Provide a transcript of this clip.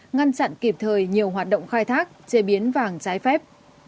ngăn chặn kịp thời nhiều hoạt động khai thác chế biến vàng trái phép